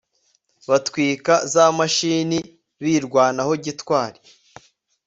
batwika za mashini, birwanaho gitwari